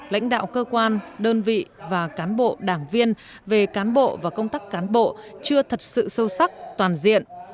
lãnh đạo cơ quan đơn vị và cán bộ đảng viên về cán bộ và công tác cán bộ chưa thật sự sâu sắc toàn diện